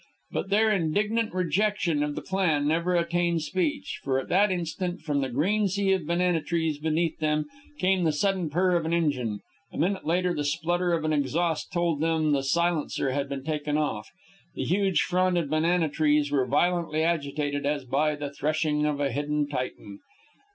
But their indignant rejection of the plan never attained speech, for, at that instant, from the green sea of banana trees beneath them, came the sudden purr of an engine. A minute later the splutter of an exhaust told them the silencer had been taken off. The huge fronded banana trees were violently agitated as by the threshing of a hidden Titan.